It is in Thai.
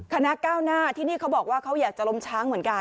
คณะก้าวหน้าที่นี่เขาบอกว่าเขาอยากจะล้มช้างเหมือนกัน